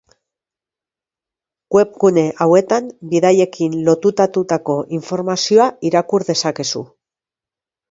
Webgune hauetan bidaiekin lotutatutako informazioa irakur dezakezu.